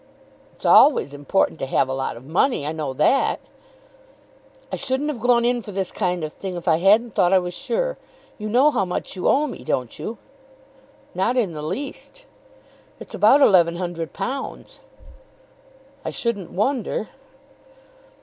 "It's always important to have a lot of money. I know that." "I shouldn't have gone in for this kind of thing if I hadn't thought I was sure. You know how much you owe me, don't you?" "Not in the least." "It's about eleven hundred pounds!" "I shouldn't wonder."